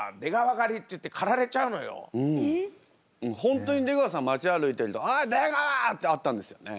本当に出川さん街歩いてると「おい出川！」ってあったんですよね。